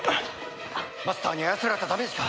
マスターに操られたダメージか。